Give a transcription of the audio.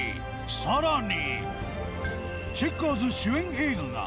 さらに。